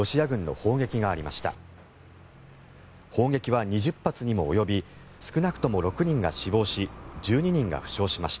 砲撃は２０発にも及び少なくとも６人が死亡し１２人が負傷しました。